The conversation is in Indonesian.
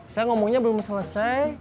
saya ngomongnya belum selesai